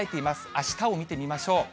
あしたを見てみましょう。